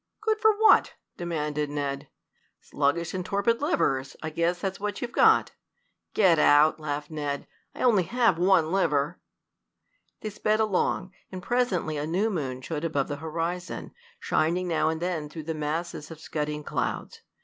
"Good for what?" demanded Ned. "Sluggish and torpid livers. I guess that's what you've got." "Get out!" laughed Ned. "I only have one liver." They sped along, and presently a new moon showed above the horizon, shining now and then through the masses of scudding clouds.